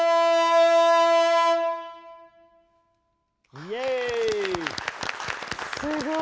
イエーイ！